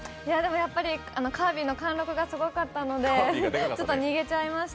やっぱりカービィの貫禄がすごかったのでちょっと逃げちゃいました。